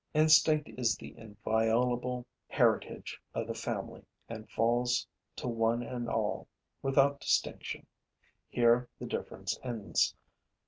Instinct is the inviolable heritage of the family and falls to one and all, without distinction. Here the difference ends.